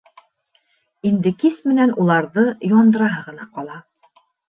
Инде кис менән уларҙы яндыраһы ғына ҡала.